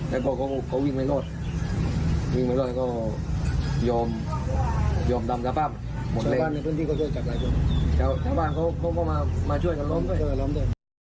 แล้วพอเขาวิ่งไปรวดยอมทำจภาพหมดเลย